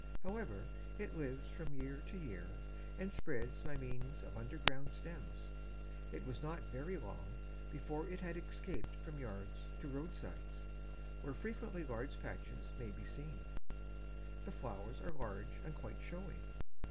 However, it lives from year to year and spreads by means of underground stems. It was not very long before it had escaped from yards to roadsides, where frequently large patches may be seen. The flowers are large and quite showy.